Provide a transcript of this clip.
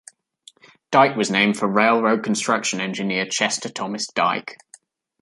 Dike was named for railroad construction engineer Chester Thomas Dike.